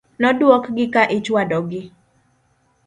Nodwok gi ka ichwado gi .